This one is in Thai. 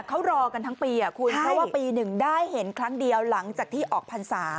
เขารอกันทั้งปีอ่ะคุณเพราะว่าปีหนึ่งได้เห็นครั้งเดียวหลังจากที่ออกพรรษา